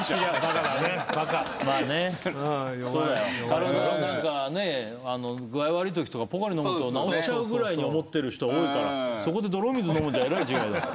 体何かね具合悪いときとかポカリ飲むと治っちゃうぐらいに思ってる人多いからそこでどろ水飲むんじゃえらい違いだよ。